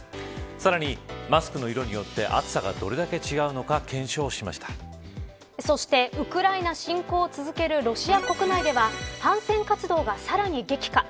さらに、マスクの色によって暑さがどれだけ違うのかそしてウクライナ侵攻を続けるロシア国内では反戦活動がさらに激化。